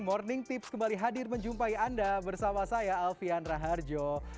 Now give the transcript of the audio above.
morning tips kembali hadir menjumpai anda bersama saya alfian raharjo